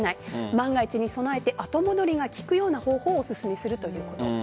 万が一に備えて、後戻りが効くような方法をおすすめするということです。